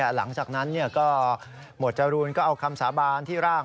หลังจากนั้นก็หมวดจรูนก็เอาคำสาบานที่ร่าง